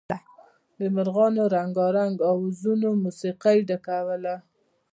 د مارغانو رنګارنګو اوازونو موسيقۍ ډکوله.